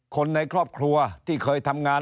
คนในครอบครัวที่เคยทำงาน